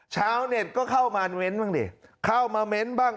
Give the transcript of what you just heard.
ชาวเน็ตก็เข้ามาเน้นบ้างดิเข้ามาเม้นต์บ้าง